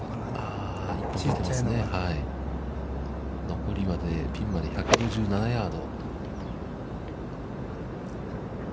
残り、ピンまで１５７ヤード。